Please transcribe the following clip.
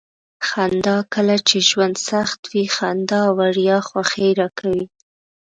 خندا: کله چې ژوند سخت وي. خندا وړیا خوښي راکوي.